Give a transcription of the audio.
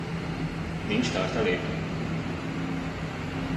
Nincs tartalék?